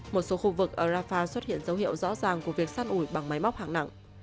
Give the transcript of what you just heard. một số khu vực ở rafah xuất hiện dấu hiệu rõ ràng của việc săn ủi bằng máy móc hạng nặng